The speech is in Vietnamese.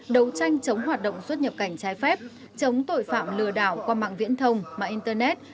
đấu tranh chống hoạt động xuất nhập cảnh trái phép chống tội phạm lừa đảo qua mạng viễn thông mạng internet